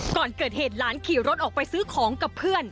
ก่อนเกิดเหตุหลานขี่รถออกไปซื้อของกับเพื่อน